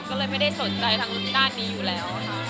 ก็เลยไม่ได้สนใจทางด้านนี้อยู่แล้วค่ะ